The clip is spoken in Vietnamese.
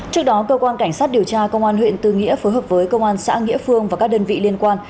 trước đó cơ quan cảnh sát điều tra công an huyện tư nghĩa phối hợp với công an xã nghĩa phương và các đơn vị liên quan